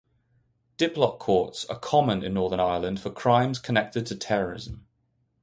Diplock courts are common in Northern Ireland for crimes connected to terrorism.